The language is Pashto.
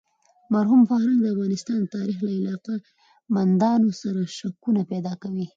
مرحوم فرهنګ د افغانستان د تاریخ له علاقه مندانو سره شکونه پیدا کوي.